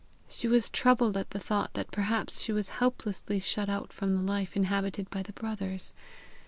She was troubled at the thought that perhaps she was helplessly shut out from the life inhabited by the brothers.